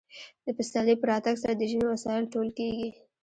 د پسرلي په راتګ سره د ژمي وسایل ټول کیږي